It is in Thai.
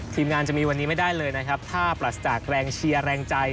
ทีมงานจะมีวันนี้ไม่ได้เลยนะครับถ้าปรัสจากแรงเชียร์แรงใจ